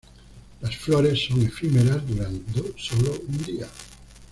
Las flores son efímeras, durando solo un día.